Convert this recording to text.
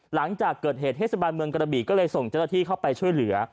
หลังจากเกิดเหตุเทศบาลเมืองกระบีก็เลยส่งเจ้าหน้าที่เข้าไปช่วยเหลือ